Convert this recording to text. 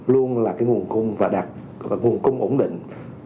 luôn là nguồn cung và đạt nguồn cung ổn định